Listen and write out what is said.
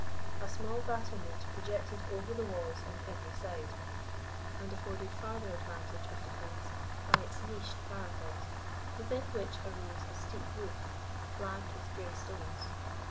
A small battlement projected over the walls on every side, and afforded farther advantage of defence by its niched parapet, within which arose a steep roof, flagged with grey stones.